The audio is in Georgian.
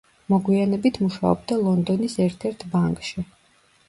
მოგვიანებით მუშაობდა ლონდონის ერთ-ერთ ბანკში.